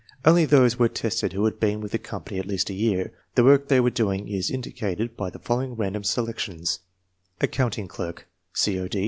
Only those were tested who had been with the company at least a year. The work they were do ing is indicated by the following random selections: Accounting Clerk, C.O.